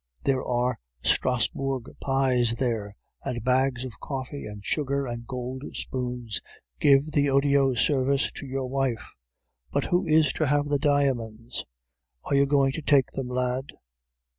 There are Strasburg pies, there, and bags of coffee, and sugar, and gold spoons. Give the Odiot service to your wife. But who is to have the diamonds? Are you going to take them, lad?